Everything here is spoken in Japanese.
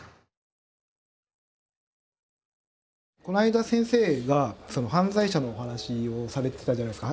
この間先生が犯罪者のお話をされてたじゃないですか。